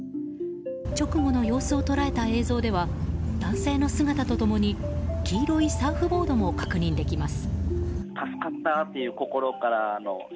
直後の様子を捉えた映像では男性の姿と共に黄色いサーフボードも確認できます。